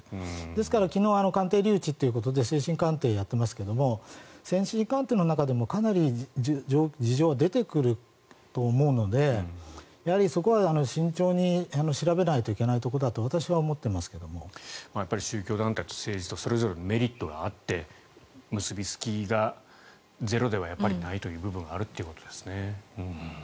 ですから昨日鑑定留置ということで精神鑑定をやっていますが精神鑑定の中でもかなり事情は出てくると思うのでそこは慎重に調べないといけないところだと宗教団体と政治とそれぞれのメリットがあって結びつきがゼロではないという部分があるということですね。